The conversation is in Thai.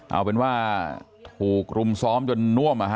เอาเป็นว่าถูกรุมซ้อมจนน่วม